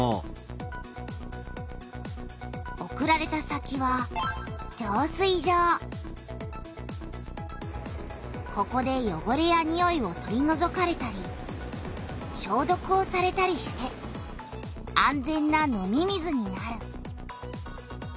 送られた先はここでよごれやにおいを取りのぞかれたりしょうどくをされたりして安全な飲み水になる。